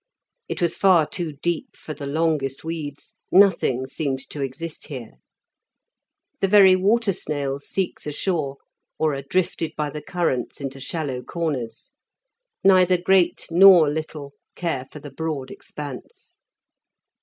It was far too deep for the longest weeds, nothing seemed to exist here. The very water snails seek the shore, or are drifted by the currents into shallow corners. Neither great nor little care for the broad expanse.